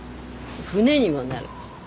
船にもなる。